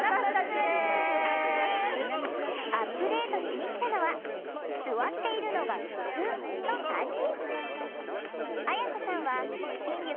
アップデートしに来たのは「座っているのがふつう」の３人。